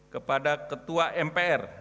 kepada ketua mpr